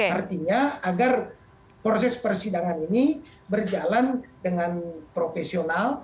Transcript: artinya agar proses persidangan ini berjalan dengan profesional